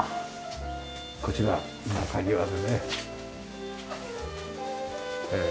こちら中庭でね。